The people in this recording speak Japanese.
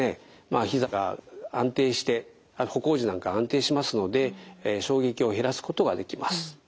ひざが安定して歩行時なんか安定しますので衝撃を減らすことができます。